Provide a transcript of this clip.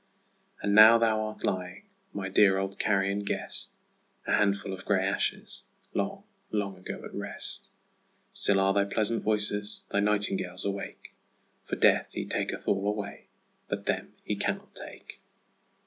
And now that thou art lying, my dear old Carian guest, 5 A handful of grey ashes, long, long ago at rest, Still are thy pleasant voices, thy nightingales, awake; For Death, he taketh all away, but them he cannot take.